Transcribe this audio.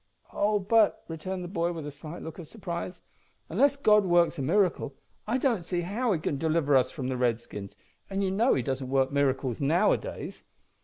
"Oh! but," returned the boy, with a slight look of surprise, "unless God works a miracle I don't see how He can deliver us from the Redskins, and you know He doesn't work miracles nowadays."